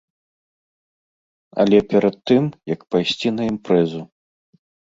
Але перад тым, як пайсці на імпрэзу.